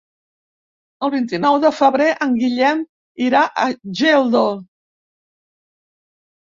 El vint-i-nou de febrer en Guillem irà a Geldo.